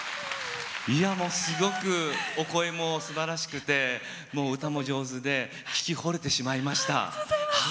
すごくお声もすばらしくて歌も上手で聴きほれてしまいました。